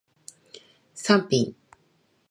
サンピン